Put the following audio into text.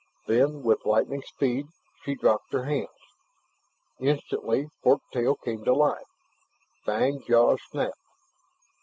Then, with lightning speed, she dropped her hands. Instantly fork tail came to life. Fanged jaws snapped.